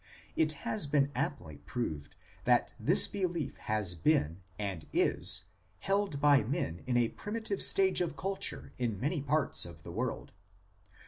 It has been amply proved that this belief has been, and is, held by men in a primitive stage of culture in many parts of the world.